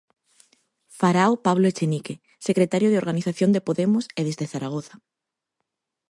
Farao Pablo Echenique, secretario de Organización de Podemos, e desde Zaragoza.